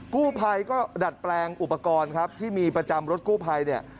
กู้ภัยก็ดัดแปลงอุปกรณ์ครับที่มีประจำรถกู้ภัยเนี่ย